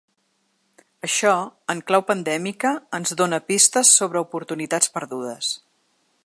Això, en clau pandèmica, ens dóna pistes sobre oportunitats perdudes.